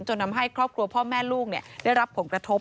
ทำให้ครอบครัวพ่อแม่ลูกได้รับผลกระทบ